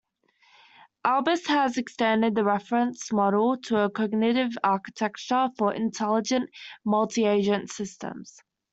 Albus has extended the reference model to a cognitive architecture for Intelligent Multi-Agent Systems.